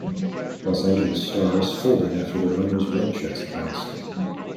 Los Angeles Stars folded after their owner's rent checks bounced.